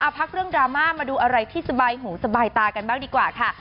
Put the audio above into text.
พักเรื่องดราม่ามาดูอะไรที่สบายหูสบายตากันบ้างดีกว่าค่ะ